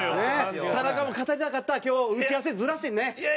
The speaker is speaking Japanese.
田中も語りたかったから今日打ち合わせずらしてね。